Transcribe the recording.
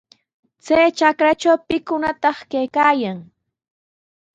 Chay trakratraw, ¿pikunataq kaykaayan?